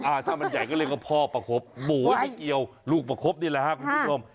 ถ้ามันใหญ่ก็เรียกว่าพ่อประคบหมูไม่เกี่ยวลูกประคบนี่แหละครับคุณผู้ชม